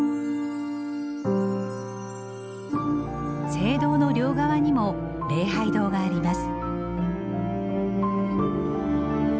聖堂の両側にも礼拝堂があります。